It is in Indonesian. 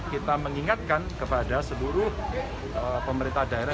kita mengingatkan kepada seluruh pemerintah daerah